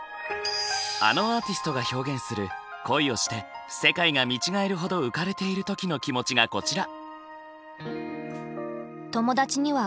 あのアーティストが表現する恋をして世界が見違えるほど浮かれている時の気持ちがこちら。